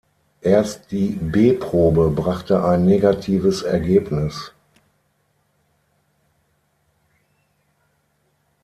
Erst die B-Probe brachte ein negatives Ergebnis.